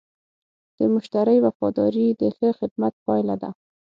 د مشتری وفاداري د ښه خدمت پایله ده.